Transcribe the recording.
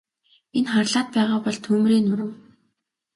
Энэ харлаад байгаа бол түймрийн нурам.